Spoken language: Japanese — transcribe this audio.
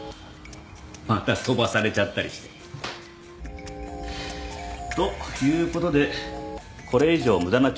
また飛ばされちゃったりして。ということでこれ以上無駄な調査はやめてください。